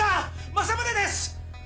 政宗です！